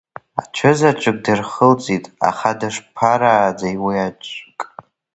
Аӡәызаҵәык дырхылҵит, аха дышԥарааӡеи уи аӡәк?